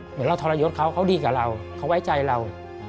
เหมือนเราทรยศเขาเขาดีกับเราเขาไว้ใจเรา